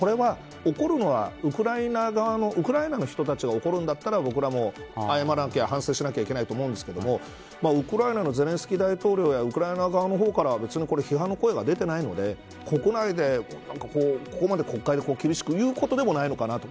ただ、これは怒るのはウクライナの人たちが怒るんだったら僕らも反省しないといけないと思うんですけどウクライナのゼレンスキー大統領やウクライナ側から批判の声が出ていないので国内で、ここまで国会で厳しく言うことでもないのかなと。